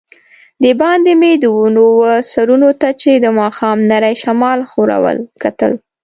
دباندې مې د ونو وه سرونو ته چي د ماښام نري شمال ښورول، کتل.